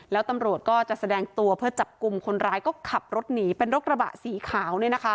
แล้วตำรวจก็จะแสดงตัวเพื่อจับกลุ่มคนร้ายก็ขับรถหนีเป็นรถกระบะสีขาว